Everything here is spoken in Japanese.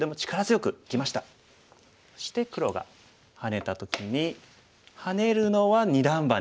そして黒がハネた時にハネるのは二段バネ。